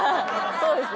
そうですね。